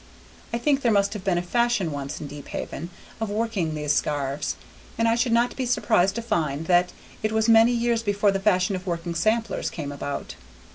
I think there must have been a fashion once, in Deephaven, of working these scarfs, and I should not be surprised to find that it was many years before the fashion of working samplers came about.